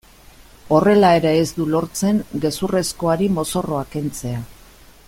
Horrela ere ez du lortzen gezurrezkoari mozorroa kentzea.